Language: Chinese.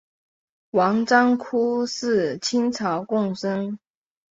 王章枯是清朝贡生。